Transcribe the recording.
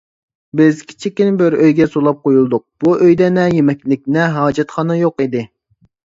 بىز كىچىككىنە بىر ئۆيگە سولاپ قويۇلدۇق، بۇ ئۆيدە نە يېمەكلىك، نە ھاجەتخانا يوق ئىدى.